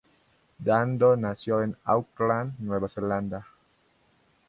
Dando nació en Auckland, Nueva Zelanda.